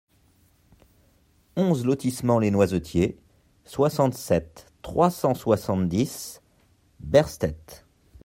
onze lotissement les Noisetiers, soixante-sept, trois cent soixante-dix, Berstett